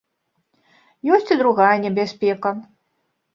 Ёсць і другая небяспека.